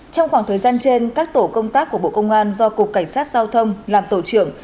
trong khoảng thời gian trên các tổ công tác của bộ công an do cục cảnh sát giao thông làm tổ trưởng